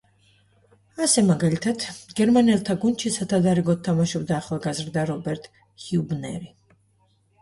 ასე მაგალითად, გერმანელთა გუნდში სათადარიგოდ თამაშობდა ახალგაზრდა რობერტ ჰიუბნერი.